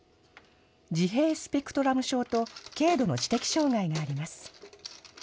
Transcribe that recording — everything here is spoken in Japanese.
自閉スペクトラム症と軽度の知的障害があります。